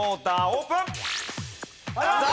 オープン！